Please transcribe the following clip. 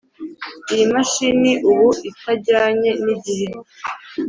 iyi mashini ubu itajyanye n'igihe.